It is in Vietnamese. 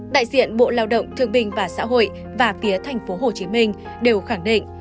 đại diện bộ lao động thương binh và xã hội và phía tp hcm đều khẳng định